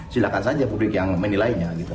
silahkan saja publik yang menilainya gitu